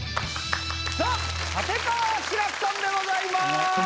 さあ立川志らくさんでございます。